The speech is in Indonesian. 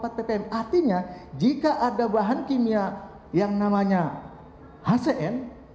artinya jika ada bahan kimia yang namanya hcn